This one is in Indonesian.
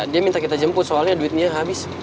dia minta kita jemput soalnya duitnya habis